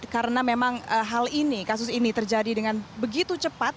karena memang hal ini kasus ini terjadi dengan begitu cepat